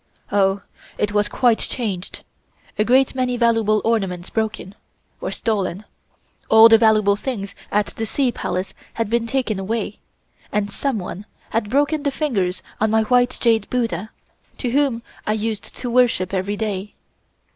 Oh! it was quite changed; a great many valuable ornaments broken or stolen. All the valuable things at the Sea Palace had been taken away, and someone had broken the fingers of my white jade Buddha, to whom I used to worship every day.